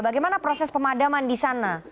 bagaimana proses pemadaman di sana